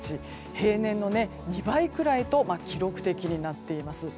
平年の２倍くらいと記録的になっています。